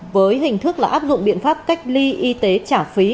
với hình thức là áp dụng biện pháp cách ly y tế trả phí